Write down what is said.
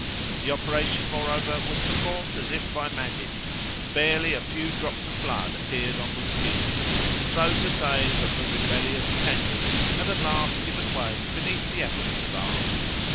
The operation, moreover, was performed as if by magic, and barely a few drops of blood appeared on the skin, as though to say that the rebellious tendon had at last given way beneath the efforts of art.